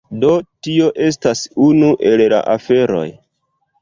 Do tio estas unu el la aferoj.